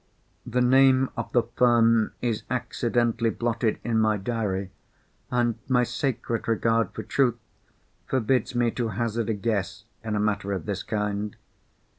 The name of the firm is accidentally blotted in my diary, and my sacred regard for truth forbids me to hazard a guess in a matter of this kind.